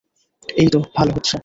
এইতো, ভালো হচ্ছে।